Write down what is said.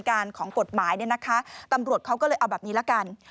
การของกฎหมายเนี่ยนะคะตำรวจเขาก็เลยเอาแบบนี้ละกัน